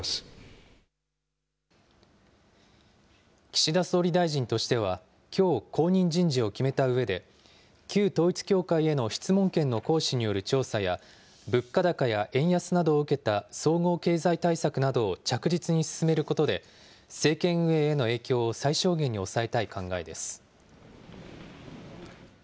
岸田総理大臣としては、きょう、後任人事を決めたうえで、旧統一教会への質問権の行使による調査や、物価高や円安などを受けた総合経済対策などを着実に進めることで、政権運営への影響を最小限に抑えたい考えです。